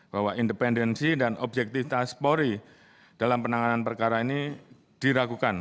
bahwa independensi dan objektivitas polri dalam penanganan perkara ini diragukan